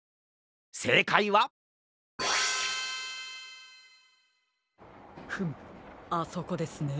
せいかいはフムあそこですね。